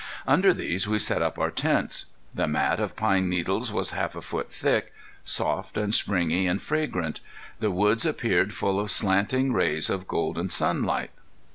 Under these we set up our tents. The mat of pine needles was half a foot thick, soft and springy and fragrant. The woods appeared full of slanting rays of golden sunlight.